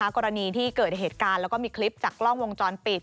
กรณีที่เกิดเหตุการณ์แล้วก็มีคลิปจากกล้องวงจรปิด